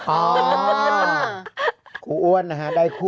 โอ้คุณอ้วนเลยครับไข่ขุ